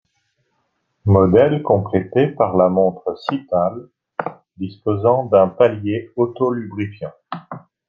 Modèle complété par la montre Sytal disposant d'un palier autolubrifiant.